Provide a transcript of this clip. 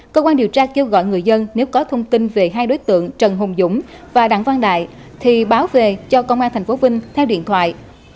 cơ quan điều tra kêu gọi người dân nếu có thông tin về hai đối tượng trần hùng dũng và đặng văn đại thì báo về cho công an thành phố vinh theo điện thoại chín trăm bốn mươi năm ba trăm bốn mươi bốn năm trăm sáu mươi bảy